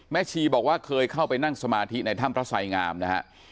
ชีบอกว่าเคยเข้าไปนั่งสมาธิในถ้ำพระไสงามนะฮะ